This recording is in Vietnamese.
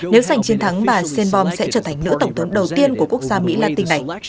nếu giành chiến thắng bà sainbon sẽ trở thành nữ tổng thống đầu tiên của quốc gia mỹ latin này